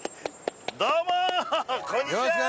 どうもこんにちは！